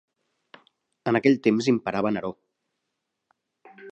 En aquell temps imperava Neró.